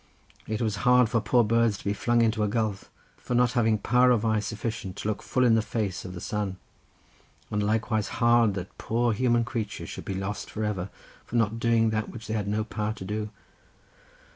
It was hard for poor birds to be flung into a gulf for not having power of eye sufficient to look full in the face of the sun, and likewise hard that poor human creatures should be lost for ever, for not doing that which they had no power to do.